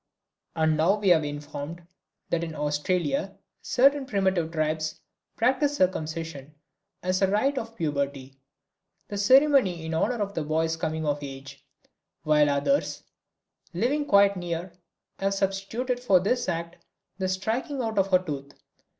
And now we are informed that in Australia certain primitive tribes practice circumcision as a rite of puberty (the ceremony in honor of the boy's coming of age), while others, living quite near, have substituted for this act the striking out of a tooth.